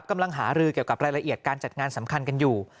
กำลังหารือเกี่ยวกับรายละเอียดการจัดงานสำคัญกันอยู่